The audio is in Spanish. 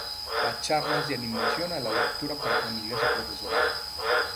Da charlas de animación a la lectura para familias y profesorado.